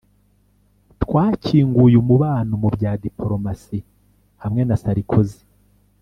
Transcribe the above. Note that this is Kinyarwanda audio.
twakinguye umubano mu bya dipolomasi hamwe na Sarkozy